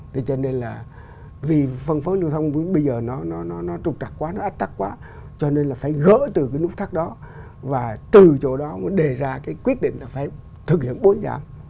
vì phân phối lưu thông bây giờ nó trục trặc quá nó ách tắc quá cho nên là phải gỡ từ cái nút thắt đó và từ chỗ đó đề ra cái quyết định là phải thực hiện bốn giảm